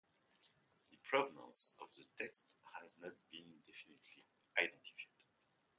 The provenance of the text has not been definitively identified.